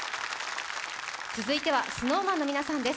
続いてはＳｎｏｗＭａｎの皆さんです。